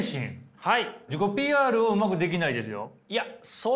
はい。